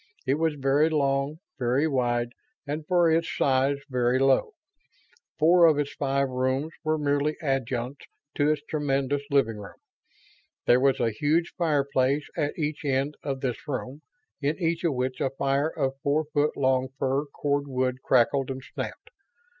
It was very long, very wide, and for its size very low. Four of its five rooms were merely adjuncts to its tremendous living room. There was a huge fireplace at each end of this room, in each of which a fire of four foot long fir cordwood crackled and snapped.